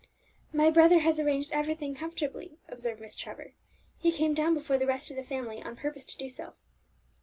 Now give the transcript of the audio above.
"My brother has arranged everything comfortably," observed Miss Trevor. "He came down before the rest of the family on purpose to do so."